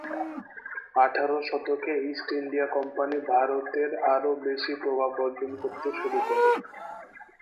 আঠারো শতকে East India Company ভারতে আরও বেশি প্রভাব অর্জন করতে শুরু করে।